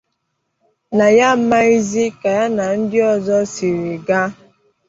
na ya amaghịzị ka ya na ndị ọzọ siri gaa